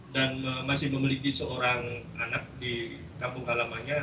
dan masih memiliki seorang anak di kampung halamanya